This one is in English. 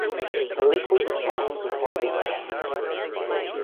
The liquid is sent to holding tanks.